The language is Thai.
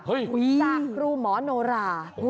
จากครูหมอโนรา